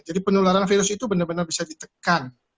jadi penularan virus itu benar benar bisa ditekan